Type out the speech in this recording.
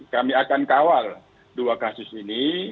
kami akan kawal dua kasus ini